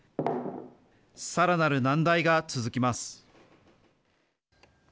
さらなる難題が続きます。